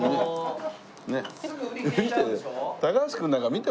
見て。